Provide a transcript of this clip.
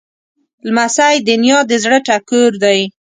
لمسی د نیا د زړه ټکور دی.